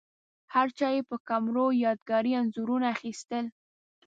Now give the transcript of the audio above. هرچا یې په کمرو یادګاري انځورونه اخیستل.